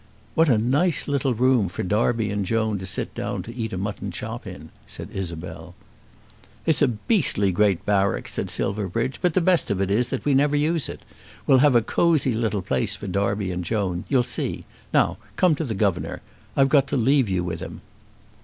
"What a nice little room for Darby and Joan to sit down to eat a mutton chop in," said Isabel. "It's a beastly great barrack," said Silverbridge; "but the best of it is that we never use it. We'll have a cosy little place for Darby and Joan; you'll see. Now come to the governor. I've got to leave you with him."